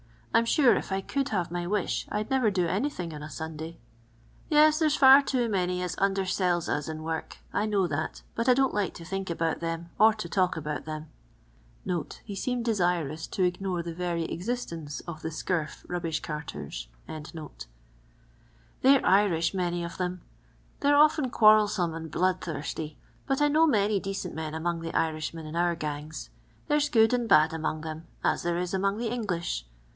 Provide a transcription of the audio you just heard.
I 'm sure, if I could have my wish, I 'd never do anything on a Sanday. " Yes, there 's far too many as undersells as in work. I know that, but I don't like to think about them or to talk about them." [He seemed desirous to ignore the very existt^ce of the scurf rubbish carters.] Tbey 're Irifh many of them. They 're often qoarreltome and blood thirsty, but I know many deoent men among the Irishmen in our gangs. There 's good and bad among them, as there is among the English.